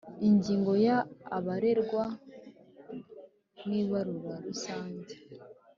Ingingo ya Abarebwa n Ibarura Rusange